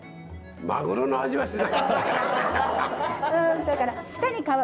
マグロの味はしない。